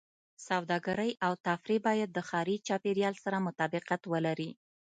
سوداګرۍ او تفریح باید د ښاري چاپېریال سره مطابقت ولري.